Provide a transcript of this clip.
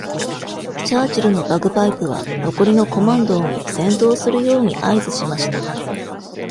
チャーチルのバグパイプは、残りのコマンドーに戦闘するように合図しました。